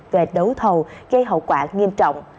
về đấu thầu gây hậu quả nghiêm trọng